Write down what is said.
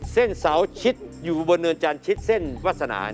เซ่นเสาชิดอยู่บนเนินจานชิดเซ่นวาสนานี่